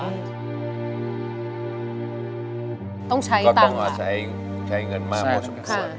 อืมต้องใช้ตังค่ะก็ต้องเอาใช้ใช้เงินมาใช่ค่ะ